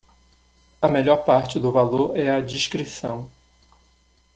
A melhor parte do valor é a discrição